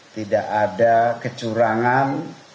tidak ada kecurangan